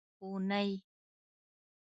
اونۍ